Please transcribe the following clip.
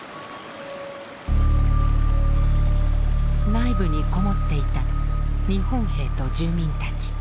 内部に籠もっていた日本兵と住民たち。